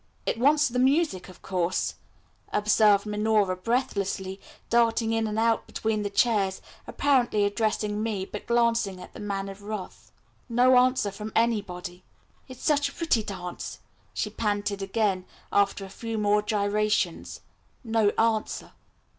"It wants the music, of course," observed Minora breathlessly, darting in and out between the chairs, apparently addressing me, but glancing at the Man of Wrath. No answer from anybody. "It is such a pretty dance," she panted again, after a few more gyrations. No answer.